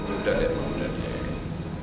udah deh mama udah deh